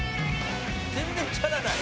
「全然チャラない。